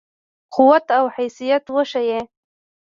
قوت او حیثیت وښيي.